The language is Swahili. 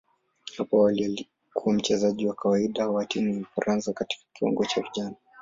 Hapo awali alikuwa mchezaji wa kawaida wa timu ya Ufaransa katika kiwango cha vijana.